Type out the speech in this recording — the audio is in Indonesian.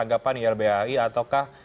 kemudian tanggapan irbai ataukah